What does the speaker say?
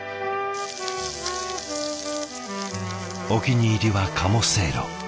お気に入りは鴨せいろ。